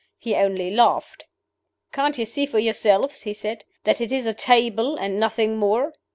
He only laughed. 'Can't you see for yourselves,' he said, 'that it is a table, and nothing more?